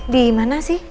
di mana sih